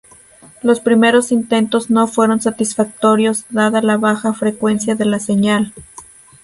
Los primeros intentos no fueron satisfactorios dada la baja frecuencia de la señal.